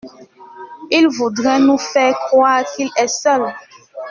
Il voudrait nous faire croire qu’il est seul.